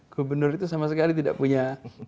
gubernur itu sama sekali tidak punya